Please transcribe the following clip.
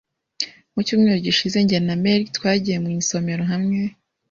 Ku cyumweru gishize, jye na Mary twagiye mu isomero hamwe.